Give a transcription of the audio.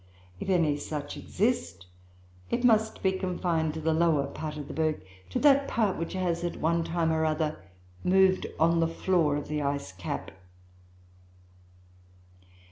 If any such exist, it must be confined to the lower part of the berg, to that part which has at one time or other moved on the floor of the ice cap.